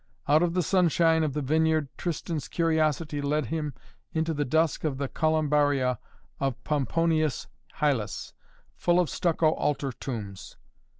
Out of the sunshine of the vineyard Tristan's curiosity led him into the dusk of the Columbaria of Pomponius Hylas, full of stucco altar tombs.